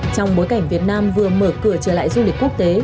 trong bối cảnh việt nam vừa mở cửa trở lại du lịch quốc tế